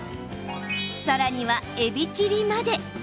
さらには、えびチリまで。